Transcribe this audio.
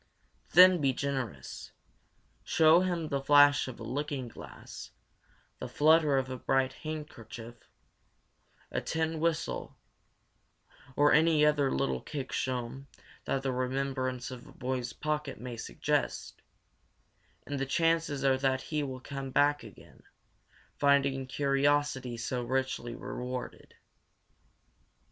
Then be generous show him the flash of a looking glass, the flutter of a bright handkerchief, a tin whistle, or any other little kickshaw that the remembrance of a boy's pocket may suggest and the chances are that he will come back again, finding curiosity so richly rewarded.